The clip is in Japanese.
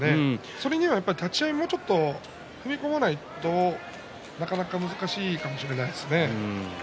それにはやっぱり立ち合いもうちょっと踏み込まないとなかなか難しいかもしれないですね。